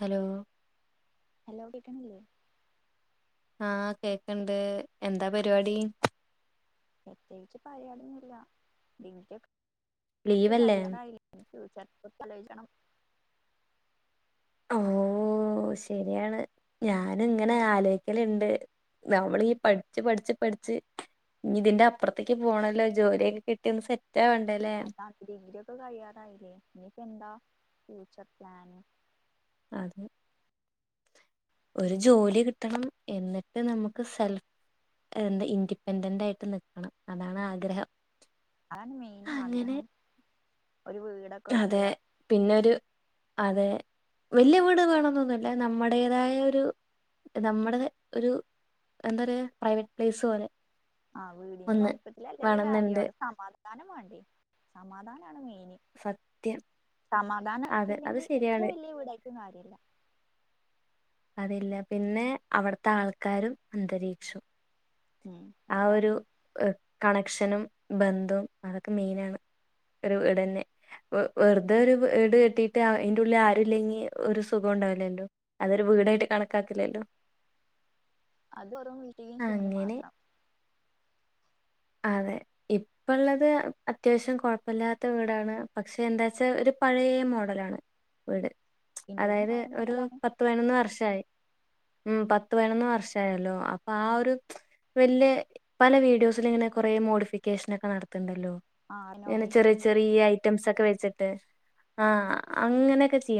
Hello hello കേക്ക്ണില്ലേ ആഹ് കേക്കണ്ട് എന്താ പരിപാടി പ്രത്യേകിച്ച് പറയാനൊന്നുല്ല [unintelligible] ലീവല്ലേ കഴ്യാനായില്ലേ ചപ്പ തലഴിക്കണം ഓ ശരിയാണ് ഞാന് ഇങ്ങനെ ആലോയിക്കല് ഇണ്ട് നമ്മൾ ഈപഠിച്ചു പഠിച്ച് പഠിച്ച് ഇനി ഇതിന്റെ അപ്പുറത്തേക്ക് പോണല്ലോ ജോലിയൊക്കെ കിട്ടിയൊന്ന് സെ അതാ ഡിഗ്രി യൊക്കെ കയ്യാറായില്ലേ ഇനി പ്പഎന്താ ഫ്യൂച്ചർ പ്ലാന് അതെ ഒരു ജോലി കിട്ടണം എന്നിട്ട് നമുക്ക് സെൽ എന്താ ഇൻഡിപെൻഡന്റ് ആയിട്ട് നിക്കണം അതാണ് ആഗ്രഹം അതാണ് മെയിൻ അങ്ങനെ ആഗ്രഹം ഒരു വീടൊക്കെ അതെ. വെക്ക പിന്നൊരു അതെ വല്യ വീട് വേണം ന്നൊന്നുല്ല നമ്മുടേതായ ഒരു നമ്മുടെത് ഒരു എന്താ പറയാ പ്രൈവറ്റ് പ്ലേസ് പോലെ ആഹ് വീടിന്റെ ഒന്ന് വലിപ്പത്തില് അല്ലല്ലോ കാര്യം വേണന്നുണ്ട്. അവിടെ സമാധാനം വേണ്ടേ സമാധാ സ സമാധാനം ഇല്ലെങ്കിൽ എത്ര ശരിയാണ്. വലിയ വീടായിട്ടൊന്നും കാര്യല്ല അതല്ല പിന്നെ അവിടുത്തെ ആൾക്കാരും അന്തരീക്ഷം ഉം ദാണ് ഏഹ്, കണക്ഷനും ബന്ധവും അതൊക്കെ മെയിനാണ് ഒരു വീട്ന്നെ വെറുതെ ഒരു വീട് കെട്ടിട്ട് അയിന്റെ ഉള്ളിൽ ആരുല്ലെങ്കിൽ ഒരു സുഖ ല്ലോ അതൊരു വീടായിട്ട് കണക്കാക്കില്ലല്ലോ അത്ഓ വീട്ടയും സിമി അങ്ങനെ മാത്രം അതെ ഇപ്പള്ളത് അത്യാവശ്യം കൊഴപ്പമില്ലാത്ത വീടാണ് പക്ഷെ എന്താച്ചാ ഒരു പഴയ മോഡലാണ് വീട് ഇന്റേതും അതായത് പഴയ ഒരു മോഡലാണ് പത്ത് പതിനൊന്ന് വർഷ ശായ ഉം പത്ത് പേണന്ന് വർഷമായല്ലോ അപ്പൊ ആ ഒരു വല്ിയ പല വീഡിയോസൽ ഇങ്ങനെ ല്ലോെ ആ റിനോവേഷൻ ചെറ ക്കെ വെച്ചിട്ട് അന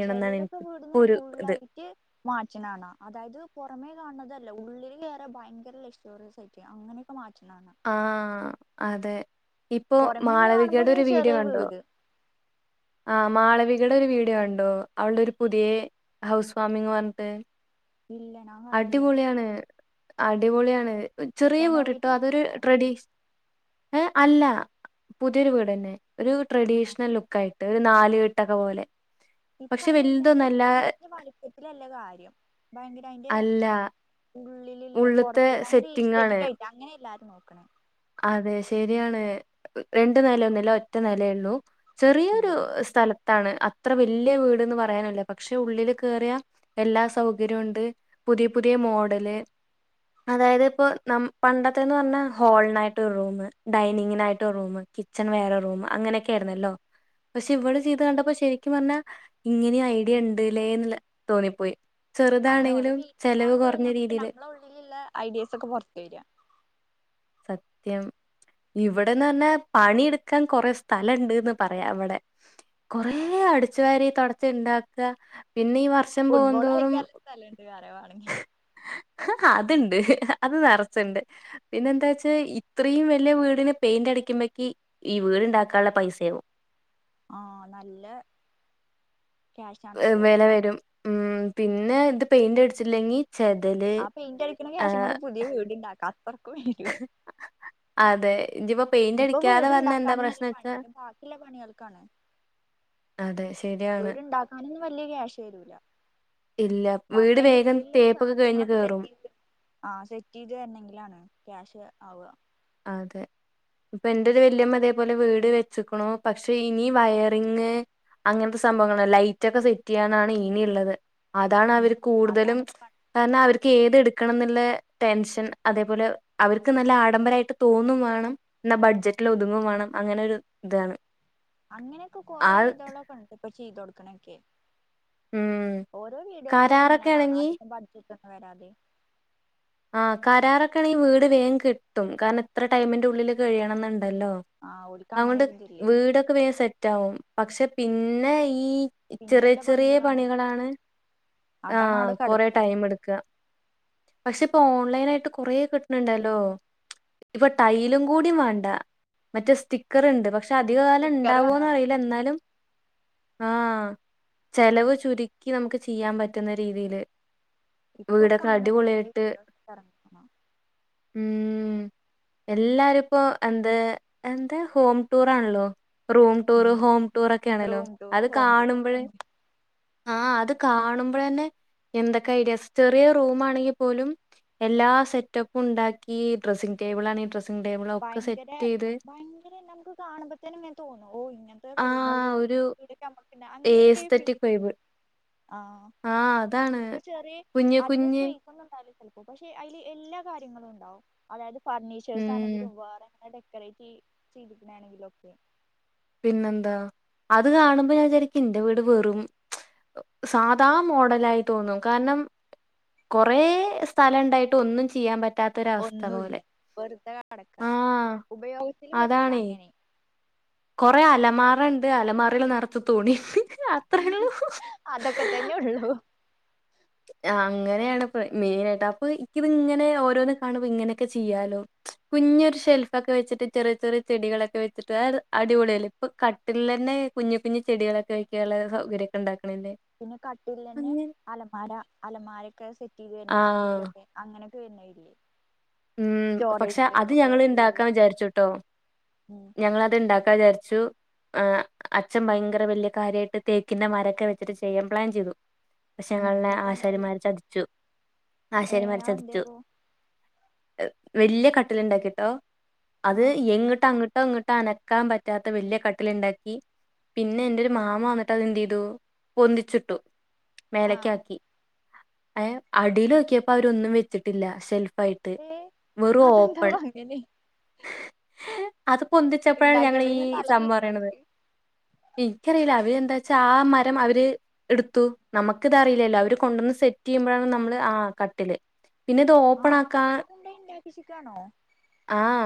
ചെിലവരൊക്കെ വീടുന്ന ഫായിട്ട് മാറ്റനണ അതായത് മേ കാണുന്നതല്ല ഉള്ളിൽ കേയറെ ഭയങ്കര ലിസ്റ്റോറിയസ്യിട്ട അങ്ങനെയൊക്കെ മാറ്റ ആഹ അതെ ഇപ്പൊ പുറമേന്ന് കാണുമ്പോ മാളവികയുടെ ഒരു വീഡിയോ ചെറിയ കണ്ടുവ വീട് ആ മാളവിക ഇടെ ഒരു വീഡിയോ ഉണ്ടോ അവവിള ഒരു പുതിയ ഹൗസ് ഫാമിംഗന്ന് പറഞ്ഞിട്ട് ഇല്ല ഞാൻ കണ്ടില്ല അടിപൊളിയാണ് അടിപൊളിയാണ് ചെറിയ റെനോവേറ്റ് വീടിട്ടോ ചെയ്തക്കാണോ ട്രഡഏ അല്ല പുതിയൊരു വീട് തന്നെ ഒരു ആഹ് ട്രഡീഷണൽ ലുക്ക ആയിട്ട് ഒരു നാല് കെട്ടക്കെ പോലെ ഇപ്പൊ പക്ഷെ അതിനെ എല്ലാരും വലുതൊന്നല്ല വീട്ടന്റെ വളിപ്പത്തിലല്ല കാര്യം ഭയങ്കര അതിറെ ആ ഉള്ളിലില്ലേ പുറത്ത് ഭയങ്കര ഇസ്റ്റിക് ആയിട്ട് അങ്ങനെയല്ല അതെ ശരിയാണ് രണ്ട നില ഒന്നുമില്ല ഒറ്റ നിലയള്ളൂ ഉം ചെറിയൊരു സ്ഥലത്ത് ാണ് അത്ര വല്യ വീട്ന്ന് പറയാനല്ല പക്ഷെ ഉള്ളില് കേയറിയ എല്ലാ സൗകര്യവും ഉണ്ട് പുതിയ പുതിയ മോഡല് അതായത് ഇപ്പോ ന പണ്ടത്തെന്ന് പറഞ്ഞാൽ ഹോളിനായിട്ട് റൂ ഡൈനിങ്ങിനായിട്ട റൂ കിച്ചൺ വേറെ റൂം അങ്ങനെയൊക്കെ ആരുന്നല്ലോ പക്ഷെ ഇവിടെ ചെയ്ത് കണ്ടപ്പോ ശരിക്കും പറഞ്ഞാ ഇങ്ങനെ ഐഡിയ ഉണ്ട്ല്ലേന്ന് തോന്നിപ്പോയി അങ്ങനെ ഓരോ ചെറുതാണെങ്കിലും വീഡിയ ചെലവ് കാണുമ്പോഴ കൊറഞ്ഞ നമുക്ക് രീതിയില് നമ്മുടെ ഉള്ളിലുള്ള ഐഡിയാസ് ഒക്കെ പുറത്ത വരിക സത്യം ഇവിടെന്ന് പറന്നെ പണിെടുക്കാൻ കൊറെ സ്ഥലംുണ്ട്ന്ന് പറയാ അവിടെ കൊറ അടിച്ചു വാരി തുണച്ച ഉണ്ടാക്കുക പിന്നെ ഈ വർഷം ഫുട്ബോൾ പോകന്തോറും കളിക്കാനുള്ള സ്ഥലണ്ട് വേറെ വേണെങ്കി ആ അതുണ്ട് അത് നിറച്ചുണ്ട് പിന്നെ എന്താ ഇത്രയും വലിയ വീടിന് പെയിന്റ് അടിക്കുമ്പക്ക് ഈ വീട്ണ്ടാക്കാനുള്ള പൈസയാകവും ആഹ നല്ല ക്യാഷാണിപ്പോ വില വരും ഉം പിന്നെ ഇത് പെയിന്റ് അടിച്ചില്ലെങ്കിൽ അപ്പൊ ഇന്റടരിക്കണ യാഷ് ഇങ്ങണ്ട് പുതിയ വീട്ണ്ടാക്ക അതെ ഇനിയിപ്പോ പെയിന്റ് ഇപ്പൊ അടിക്കാതെ വന്ന എന്താ വീട്ണ്ടാക്കാൻ നല്ല പണി പ്രശ്നച്ചാ ഇപ്പ ബാക്കിയുള്ള പണികൾക്കാണ് അതെ ശരിയാണ്. വീട്ണ്ടാക്കാനൊന്നും വല്ിയ ക്യാഷ് വരൂല ഇല്ല ബാക്കി വീട് അയിന്റെ വേഗം ഉള്ളില തേപ്പൊക്കെ കഴിഞ്ഞ് സാധനങ്ങളൊക്കെ സെറ്റ് കേറും. ചെയ്ത് ആ സെറ്റ് ചെയ്ത് തരണെങ്കിലാണ് ക്യാഷ് ആവുക അതെ ഇപ്പ എൻന്റെറത് വല്യമ്മ അതേപോലെ വീട് വെച്ചക്കണോ പക്ഷെ ഇനി വയറിങ് അങ്ങനത്തെ സംഭവങ്ങള ലൈറ്റ് ഒക്കെ സെറ്റ് ചെയ്യാനാണ് ഇന ഉള്ളത് അതാണ് അവർ ഉം കൂടുതലും അതാണ് പണി. കാരണം അവർ ഏത് എടുക്കണം എന്നുള്ള ടെൻഷൻ അതേപോലെ അവർക്ക് നല്ല ആഡംബരമായിട്ട് തോന്നും വേണം എന്നാ ബഡ്ജറ്റിൽ ഒതുങ്ങും വേണം അങ്ങനെ ഒരു ഇതാണ് അങ്ങനെയൊക്കെ ആ കൊറേ ഇതോളൊക്കെ ഉണ്ട് ഇപ്പൊ ചെയ്ത കൊൊടുക്കണൊക്കെ ഉം ഓരോ വീഡിയോസിലൊക്കെ ഇങ്ങനെ കരാറൊക്കെ കാണാം ആണെങ്കി അധികം ബഡ്ജറ്റ് ഒന്നും വരാതെ ആ് കരാറൊക്കെ ആണെങ്കിൽ വീട് വേഗം കിട്ടും കാരണം എത്ര ടൈമിന്റെ ഉള്ളിൽ കഴിയണം എന്നുണ്ട് ല്ലോ ആ ഓൽക്ക് അങ്ങനെ അതൊണ്ട് ഒരിതില്ലേ വീടൊക്കെ വേ സെറ്റ് ആകും പക്ഷെ പിന്നെ ഈ ചെറിയ ചെറിയ പണികളാണ് അതാണ് ആഹ അവിടെ കൊറെ കിടക്കുക ടൈം എടുക്കുക പക്ഷെ ഇപ്പൊ ഓൺലൈൻ ആായിട്ട് കുറേ കിട്ടണണ്ടല്ലോ ഇപ്പൊ ടൈലും കൂടും വേണ്ട മറ്റേ സ്റ്റിക്കറ ഉണ്ട് പക്ഷെ പക്ഷെ അധികകാലം സ്റ്റിക്കർ വാങ്ങാ ഉണ്ടാവോന്ന് അറിയില്ല എന്നാലും ആഹ ചെലവ് ചുരുക്കി നമുക്ക് ചെയ്യാൻ പറ്റുന്ന രീതിയില് ഇപ്പൊക്കെ വീടൊക്കെ അങ്ങനെ കൊറേ അടിപൊളിയിട്ട് വീഡിയോസ് ഇറങ്ങണം ഉം ഉം എല്ലാരും ഇപ്പോൊ എന്താ എന്താ ഹോം ടൂറാണല്ലോ റൂം ടൂറ് ഉം ഹോം ടൂറ ഒക്കെയാണല്ലോ റൂം ടൂറ് അത് ഹോം ടൂറും ഒക്കെ കാണുമ്പോഴേ ഉണ്ട് ആഹ അത് കാണുമ്പോൾ തന്നെ എന്തൊക്കെ ഐഡിയ ചെറിയ റൂ ആണെങ്കി ലും എല്ലാ സെറ്റപ്പും ഉണ്ടാക്കി ഡ്രസി ടേബിൾ ഡ്രസ്സിംഗ് ടേബിൾ ഒക്കെ ഭയങ്കര സെറ്റ് ചെയ്ത് ഭയങ്കര നമുക്ക് കാണുമ്പോത്തേനും തോന്നു ഓ ഇങ്ങനത്തെ ആ റൂമ ഒരു ഇതൊക്കെ നമ്മക്ക് അങ്ങനെ ഒരു ഫീോ ആഹ അതാണ് കുഞ്ഞ് കുഞ്ഞ് അ കാര്യങ്ങളും ഉണ്ടും അ ഉം ആണെങ്കിലും വേറെങ്ങനെ ഡെക്കറേറ്റ് ചെയ്തിണ ആണെങ്കിലും ഒക്കെ പിന്നെന്താ അത് കാണുമ്പോ ഞാൻ ശരിക്കും എന്റെ വീട് വെറും സാദാ മോഡല ആായി തോന്നും കാരണം കുറെ സ്ഥലം ഉണ്ടായിട്ട് ഒന്നും ചെയ്യാൻ പറ്റ ഒന്നുമില്ല വെറുത കടക്ക ആ ഉപയോഗത്തിൽ വടില്ല അതാണേ അങ്ങനെ കൊറെ അലമാറുണ്ട് അലമാറൽ നിറച്ച തോണി അതൊക്കെ തന്നെയ ഉള്ളു ആ അങ്ങനെയാണ് മെയിൻ ആയിട്ട് അപ്പൊ ഇനി ഇത് ഇങ്ങനെ ഓരോന്ന് കാണുമ്പോ ഇങ്ങനെയൊക്കെ ചെയ്യാലോ കുഞ്ഞൊരു ഷെൽഫൊക്കെ വെച്ചിട്ട് ചെറിയ ചെറിയ ചെടികളൊക്കെ വെച്ചിട്ട് അടിപൊളിയൽ ഇപ്പൊ കട്ടിൽ തന്നെ കുഞ്ഞു കുഞ്ഞു ചെടികളൊക്കെ വെക്കാനുള്ള സൗകര്യൊക്കെ ഉണ്ടാക്കും പിന്നെ കട്ടിൽ തന്നെ അലമാര അലമാരൊക്കെ സെറ്റ് ചെയ്ത് ആ തന്നെ അടിയിലൊക്കെ അങ്ങനെ തന്നെ ഇല്ലേ ഉം പക്ഷെ അത് ഞങ്ങ ഉള്ളത് ഇണ്ടാക്കാൻ വിചാരിച്ചുട്ടോ ഉം ഞങ്ങത് ഇണ്ടാക്കാ വിചാരിച്ച സ ആർ അച്ഛൻ ഭയങ്കര വലിയ കാര്യമായിട്ട് തേക്കിൻന്റെ മരൊക്കെ വെച്ചിട്ട് ചെയ്യാൻ പ്ലാൻ ചെയ്തു ഉം വശങ്ങളെ എന്നിട്ട് എന്തായി ആശാരിമാര് ചതിച്ചു ഏ ആശാരിമാരെ ചതിച്ചു അതെന്തേപ്പോ വലിയ കട്ടിൽ ഉണ്ടാക്കിട്ടോ അത് ആഹ് എങ്ങിട്ട അങ്ങട്ട് ഇ ഇങ്ങോട്ട് അനക്കാൻ പറ്റാത്ത വലിയ കട്ടിലുണ്ടാക്കി പിന്നെ എൻന്റെറെ ഒരു മാമ വന്നിട്ട് അത്െന്ത് ചെയ്തു പൊന്തിച്ചിട്ടു മേലക്ക ആഹ് ആാക്കി അടിൽ നോക്കിയപ്പോ അവരൊന്നും വെച്ചിട്ടില്ല സെൽഫ അസന്ത ഭാങ്കേല്ല അത് പൊന്തിച്ചപ്പോഴാണ് ഞങ്ങ ഈ തല സംഭം പറയണത് തിരിഞ്ഞോൽക്ക് എനിക്കറിയില്ല അവര് എന്താ വച്ചാ ആ മരം അവര് എടുത്തു നമുക്ക് ഇതറിയില്ലല്ലോ അവര് കൊണ്ടുവന്ന് സെറ്റ് ചെയുമ്പോഴാണ് നമ്മള് ആ കട്ടില് പിന്നെ ഇത് ഓപ്പൺ ആക്കാ ക്കാണോ ആഹ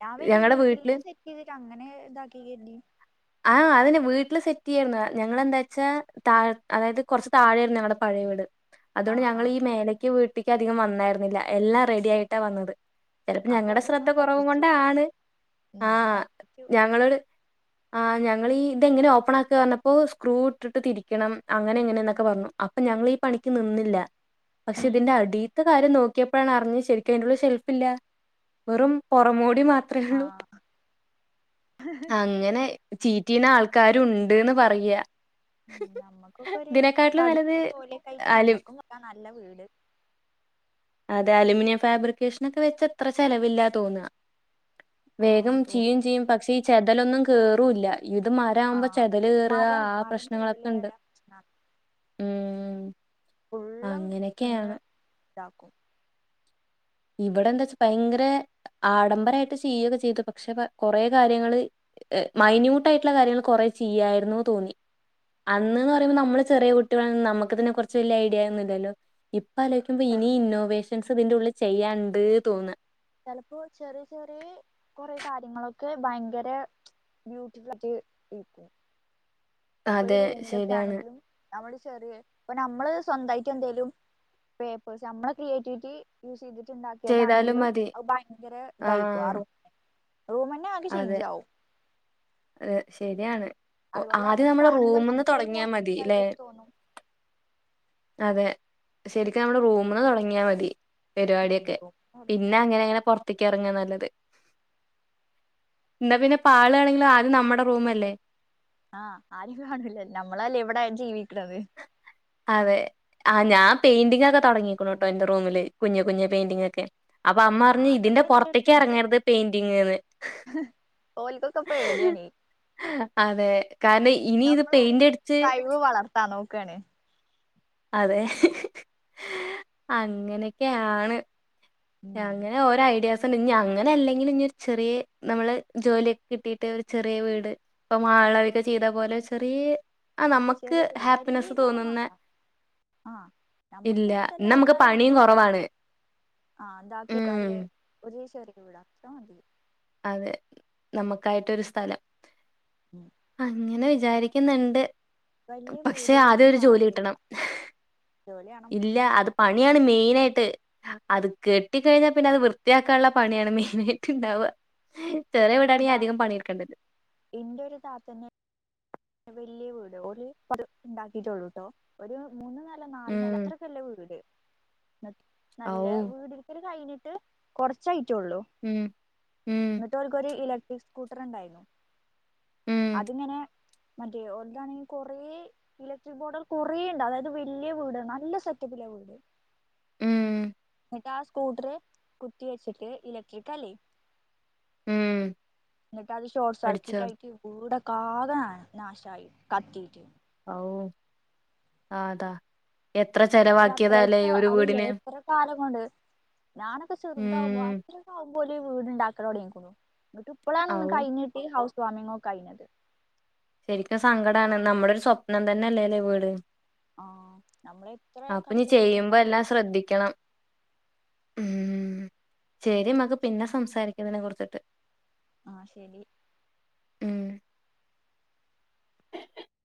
ഞാൻ വല്ിയ വീട്ടിൽന്നെ സെറ്റ് ചെയ്തിട്ട് അങ്ങനെ ഇതാക്കിണ്ടി കരുന്നു ഞങ്ങെന്താ വെച്ചാ താഴ അതായത് കുറച്ച് താഴെയായിരുന്നു ഞങ്ങളടെ പഴയ വീട് അതുകൊണ്ട് ആഹ് ഞങ്ങൾ ആഹ് ഈ മേലയ്ക്ക് വീട്ടിക്ക് അധികം വന്നായിരുന്നില്ല എല്ലാം റെഡി ആയിട്ടാ വന്നത് ചിലപ്പോ അപ്പൊ ഞങ്ങളുടെ ഓല് ശ്രദ്ധ ഇങ്ങളെ കുറവും കൊണ്ട പറ്റിച്ചു ആണ് ഉം ആഹ പറ്റിച്ചു ഞങ്ങളരു ആ ഞങ്ങൾ ഈ ഇതെങ്ങനെ ഓപ്പൺ ആക്കി പറഞ്ഞപ്പോ സ്ക്രൂ ഇട്ടിട്ട് തിരിക്കണം അങ്ങനെ എങ്ങനെയന്നൊക്കെ പറഞ്ഞു അപ്പൊ ഞങ്ങീഈ പണിക്ക് നിന്നില്ല പക്ഷെ ഉം ഇതിന്റെ അടിീത്ത് കാര്യം നോക്കിയപ്പോഴാണ് അറി ശരിക്ക ഷെൽഫില്ല വെറും പുറമ അ ആഹ് പറ്റീന ആൾക്കാരു ഉണ്ട്ന്ന് പറയ ഉ നമ്മുക്കൊക്കെ ഒരു നല്ലത് പഠിച്ചതു പോോലെയൊക്കെ ആയിട്ട അലു നമ്മക്കും നല്ല വീട് അതെ അലൂുമിനിയം ഫാബ്രിക്കേഷന ഒക്കെ വെച്ച് എത്ര ചെലവില്ല തോന്നുക ആഹ് വേഗം തോ ചെയ്യും ചെയ്യും പക്ഷെ ഈ ചെതലൊന്നും കേറല്ല ഇത് മരവുമ്പോ ആഹ് ചെതല് കേയറുക മരം ആ മരം പ്രശ്നങ്ങളൊക്കെ ചെതല് ഉണ്ട് വരെ പ്രശ്നാ ഉം ഫുള്ളം തിന്ന അങ്ങനെയൊക്കെയാണ് ഇതാക്കും ഉ ഇവിടെ എന്താ വച്ചാ ഭയങ്കര ആഡംബരമായിട്ട് ചെയ്യൊക്കെ ചെയ്തു പക്ഷെ കൊറെേ കാര്യങ്ങള് മൈന്യൂട്ട് ആയിട്ടുള്ള കാര്യങ്ങൾ കൊറെ ചെയ്യായിരുന്നു തോന്നി അന്ന്ന്ന് പറയുമ്പോൾ നമ്മള് ചെറിയ കുട്ടികള നമുക്ക് തന്നെ കുറച്ച് വലിയ ഐഡിയൊന്നുമ ഇല്ലോ ഇപ്പ അ ചെ ഇനി ഇന്നോവേഷൻസ് ഇതിന്റെ ഉള്ളിൽ ചെയ്യാണ്ട് തോന്നുന്നു ചിലപ്പോ ചെറിയ ചെറിയ കൊറെ കാര്യങ്ങളൊക്കെ ഭയങ്കര ബ്യട്ട ഇപ്പൊ അതെ റൂമിലൊക്കെ ശരിയാണ് ആണെങ്കിലും നമ്മള് ചെറിയ ഇപ്പൊ നമ്മള് സ്വന്തമായിട്ട് എന്തേലും പേപ്പേഴ്സ് നമ്മെ ക്രിയേറ്റിവിറ്റി യൂസ് ചെയ്താലും ചെയ്തിട്ടുണ്ടാക്കിയതാണെങ്കിലും മതി ഭയങ്കര ദായികും ആഹ് ആറോ റോമന്നെ ആകെ അതെ ചെയ്യഞ്ചാവ അതെ ശരിയാണ് ഒ അതുപോലെ ആദ്യം അതൊക്കെ നമ്മള് കാണുമ്പോൾ റൂമ്ന്ന് നമുക്ക്ൊരു തൊടങ്ങിയാ മതി ല്ലേ? പോസിറ്റീവായൊക്കെ തോന്നും അതെ ശെരിക്കും നമ്മുടെ റൂമ തുടങ്ങിയാൽ മതി ഉം പരിപാടിയൊക്കെ പിന്നെ മതി അങ്ങനെ അങ്ങനെ പുറത്തേക്ക് ഇറങ്ങുന്ന എന്താ പിന്നെ പാളാണെങ്കിലും ആദ്യം നമ്മുടെ റൂമ അല്ലേ ആഹ് ആരും കാണൂല നമ്മളല്ലേ എവിടൊയാലും ജീവിക്ക അതെ ആ ഞാൻെയിന്റിംഗങ് ഒക്കെടങ്ങിക്കണ കേട്ടോ എന്റെ റൂമില് കുഞ് കുഞ്ഞഞ് പെയിന്റിങ്ങ ഒക്കെ അപ്പൊ അമ്മ ആഹ് പറഞ്ഞു ഇതിന്റെ അതൊക്കെ പുൊറത്തേക്ക എന്റെടുത്തുണ്ട് ഇറങ്ങരുത് പെയിന്റിങ്ന്ന് ഓലിക്കോക്കപ്പ എടിയാണ് അതെ കാരണം ഇനി ഇത് പെയിന്റ് നമ്മളാണെങ്കിൽ അടിച്ച് കഴിവ് വളർത്താനോ [unintelligible] അതെ ഹ്ഹ്ഹ് അങ്ങനെയൊക്കെയാണ് ഉം അങ്ങനെ ഓരോ ഐഡിയ [unintelligible] അങ്ങനെ അല്ലെങ്കിലും ഇനി ഒരു ചെറിയ നമ്മള് ജോലിയൊക്കെ കിട്ടിട്ട് ചെറിയ വീട് [unintelligible] മാളവിക ചെയ്ത പോലെ ചെറിയ- ഹാ നമുക്ക് ചെറിയ വീട് ഹാപ്പിനെസ് വലിയതൊന്നും തോന്നുന്ന വേണ്ട ആഹ് നമ്മക്ക് ഇല്ല [unintelligible] ഇഷ്ടല്ല നമുക്ക് ആൾക്കാരെ പണിയും കൂടെ കുറവാണ്. ഉം [inaudible] അതെ- നമുക്കായിട്ടരു സ്ഥലം ഉം അങ്ങനെ [unintelligible] വിചാരിക്കുന്നുണ്ട് വലിയ പക്ഷെ ആദ്യം വീടിലൊന്നും ഒരു ജോലി കാര്യല്ല കിട്ടണം മ്മ്ഹ് ജോലി വേണം ഇല്ല അത് പണിയാണ് [unintelligible] [unintelligible] അത് കെട്ടി കഴിഞ്ഞ പിന്നെ അത് വൃത്തിയാക്കാനുള്ള പണിയാണ് മെയിന ഹ്ഹ ആായിട്ട് ഇണ്ടാവുക ഹ്ഹേ [unintelligible] വീടാണെങ്കിൽ ഇപ്പതാ അധികം പണിയെടുക്കേണ്ടല്ലോ ഇന്റെ ഒരു താത്തന്നെ വലിയ വീട് ഒരു [unintelligible] ഉണ്ടാക്കിട്ടള്ളൂട്ടോ ഒരു [unintelligible] [unintelligible] നാല് നില ഉം [unintelligible] വീട് മ് ഔ നല്ല വീടിരിക്കൽ കഴിഞ്ഞിട്ട് [unintelligible] [unintelligible] ഉം ഉം ന്നട്ട് ഓർക്കൊരു ഇലക്ട്രിക് സ്കൂട്ടർ ഉണ്ടായിരുന്നു ഉം അതിങ്ങനെ മറ്റേ ഒല്ലാതണെങ്കിൽ കൊറേ- ഇലക്ട്രിക് ബോർഡുകൾ കുറേ ഉണ്ട് അതായത് വലിയ വീട് നല്ല സെറ്റപ്പിൽ [unintelligible] മ്മ്മ് ആ സ്കൂട്ട്റ് കുത്തി വെച്ചിട്ട് ഇലക്ട്രിക്കല്ലേ ഉം എന്നിട്ട് അത് അടിച്ചോ ശോട്ട്സർക്യൂട്ടായ്ട്ട് വീടൊക്കെ ആകെന്നാ നാശായി കത്തിയ്റ്റ് ഓ ആതാ- എത്ര ഓല് അത്ര ചെലവാക്കിയതാലേ എത്ര ഒരു വീടിന്. ഞാനൊക്കെചെറുതാവ്വ ഉം ബാക്കിള്ളോരൊക്കെ അവ്വല് വീട്ണ്ടാക്കലൊടങ്ങീക്കുണു എന്നിട്ട് ഇപ്പളാണ് ഒന്ന് ഔ കയ്ഞ്ഞിട്ടി ഹൗസ് വാമിംങ്ങൊക്കെ കയ്ഞ്ഞത്. ശരിക്കും സങ്കടാണ് നമ്മുടെ ഒരു സ്വപ്നം തന്നെ അല്ലേല്ലേ വീട്. ആ നമ്മള് എത്ര അപ്പൊ ഇനി ചെയ്യുമ്പോ കഷ്ടപ്പെട്ടിണ്ടാ എല്ലാം ശ്രദ്ധിക്കണം ഉം ചെരി മ്മ്ക്ക് പിന്നെ സംസാരിക്ക ഇതിനെകുറിച്ചിട്ട് ആ ശരി. മ്മ്